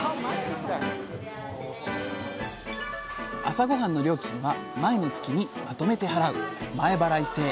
朝ごはんの料金は前の月にまとめて払う前払い制。